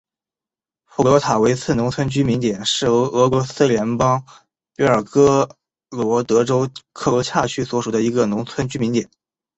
普洛塔韦茨农村居民点是俄罗斯联邦别尔哥罗德州科罗恰区所属的一个农村居民点。